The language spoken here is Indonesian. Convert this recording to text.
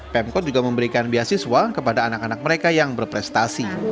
pemkot juga memberikan beasiswa kepada anak anak mereka yang berprestasi